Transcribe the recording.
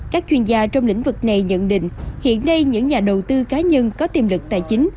các chuyên gia trong lĩnh vực này nhận định hiện nay những nhà đầu tư cá nhân có tiềm lực tài chính